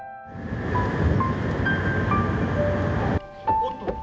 おっと。